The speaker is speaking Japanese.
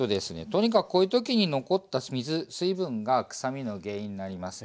とにかくこういう時に残った水水分がくさみの原因になります。